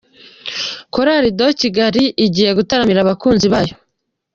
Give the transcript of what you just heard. Chorale de Kigali igiye gutaramira abakunzi bayo.